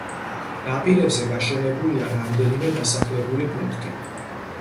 ნაპირებზე გაშენებულია რამდენიმე დასახლებული პუნქტი.